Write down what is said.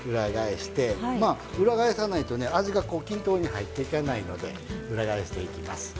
まあ裏返さないとね味が均等に入っていかないので裏返していきます。